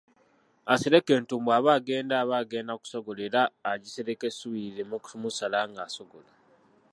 Asereka entumbwe aba agenda aba agenda kusogola era agisereka essubi lireme kumusala nga asogola.